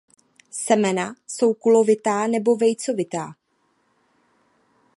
Semena jsou kulovitá nebo vejcovitá.